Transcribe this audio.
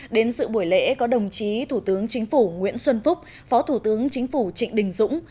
đến sự buổi lễ có đồng chí thủ tướng chính phủ nguyễn xuân phúc phó thủ tướng chính phủ trịnh đình dũng